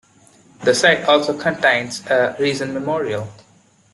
The site also contains a recent memorial.